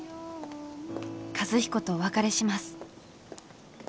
和彦とお別れします。